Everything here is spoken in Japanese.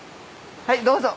はいどうぞ。